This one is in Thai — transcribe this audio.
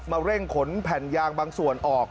เร่งขนแผ่นยางบางส่วนออก